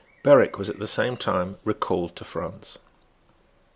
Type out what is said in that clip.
Berwick was at the same time recalled to France.